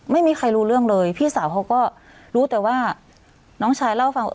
ไม่มีใครรู้เรื่องเลยพี่สาวเขาก็รู้แต่ว่าน้องชายเล่าฟัง